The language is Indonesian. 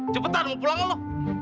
cepetan mau pulang lo